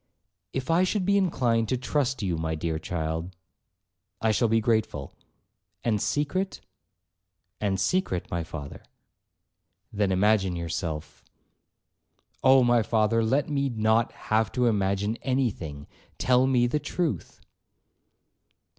'If I should be inclined to trust you, my dear child,'—'I shall be grateful.' 'And secret.' 'And secret, my father.' 'Then imagine yourself'—'Oh! my father, let me not have to imagine any thing—tell me the truth.'